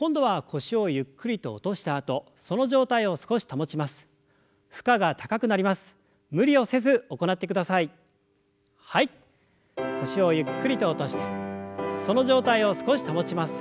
腰をゆっくりと落としてその状態を少し保ちます。